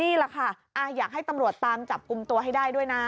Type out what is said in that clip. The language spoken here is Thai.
นี่แหละค่ะอยากให้ตำรวจตามจับกลุ่มตัวให้ได้ด้วยนะ